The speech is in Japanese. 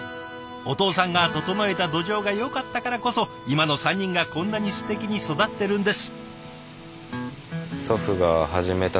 お父さんが整えた土壌がよかったからこそ今の３人がこんなにすてきに育ってるんです。